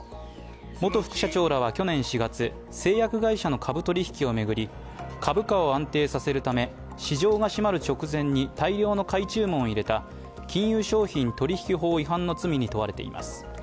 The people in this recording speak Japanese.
元副社長らは去年４月、製薬会社の株取引を巡り、株価を安定させるため市場が閉まる直前に大量の買い注文を入れた金融商品取引法違反の罪に問われています。